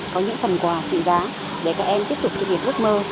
có những phần quà trị giá để các em tiếp tục thực hiện ước mơ